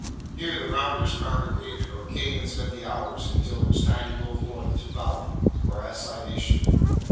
Here the rounders congregated, or came and spent the hours until it was time to go forth to bout or assignation.